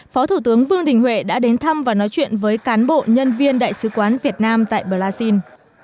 phó thủ tướng vương đình huệ đã đến thăm và nói chuyện với cán bộ nhân viên đại sứ quán việt nam tại brazil